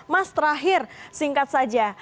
mas terakhir singkat saja